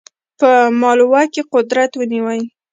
په مالوه کې قدرت ونیوی.